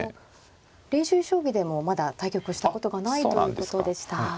練習将棋でもまだ対局したことがないということでした。